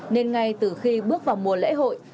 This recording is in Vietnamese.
nên ngay từ khi bước vào mùa lễ hội